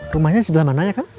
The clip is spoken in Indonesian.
rumahnya sebelah mananya kang